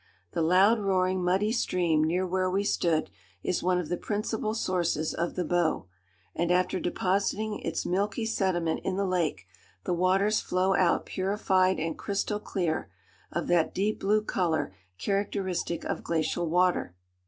The loud roaring, muddy stream near where we stood, is one of the principal sources of the Bow, and, after depositing its milky sediment in the lake, the waters flow out purified and crystal clear, of that deep blue color characteristic of glacial water.